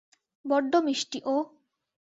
বড্ড মিষ্টি ও।